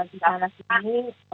kita harus mengingat